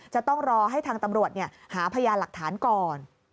จะต้องรอให้ทางตำรวจหาพยานหลักฐานก่อน